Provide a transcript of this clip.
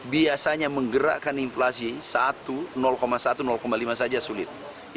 biasanya menggerakkan inflasi satu satu lima saja sulit